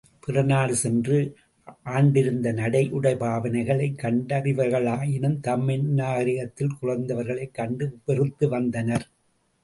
பிறநாடு சென்று ஆண்டிருந்த நடை உடைபாவனைகளைக் கண்டறிந்தவர்களாயினும் தம்மினும் நாகரிகத்தில் குறைந்தவர்களைக் கண்டு வெறுத்து வந்தனர்.